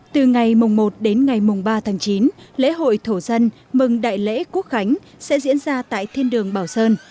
từ ngày mùng một đến ngày mùng ba tháng chín lễ hội thổ dân mừng đại lễ quốc khánh sẽ diễn ra tại thiên đường bảo sơn